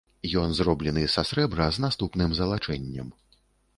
Ён зроблены са срэбра з наступным залачэннем.